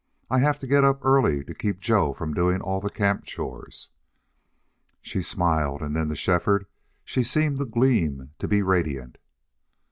"I have to get up early to keep Joe from doing all the camp chores." She smiled, and then to Shefford she seemed to gleam, to be radiant.